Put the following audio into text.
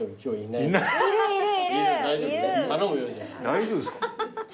大丈夫ですか？